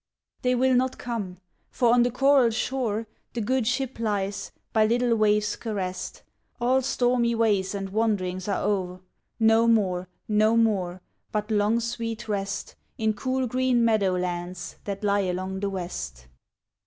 They will not come! for on the coral shore The good ship lies, by little waves caressed, All stormy ways and wanderings are o'er, No more, no more! But long sweet rest, In cool green meadow lands, that lie along the West.